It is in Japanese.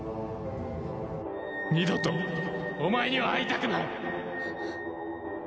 二度とお前には会いたくない！